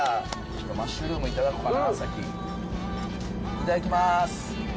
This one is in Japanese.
いただきます。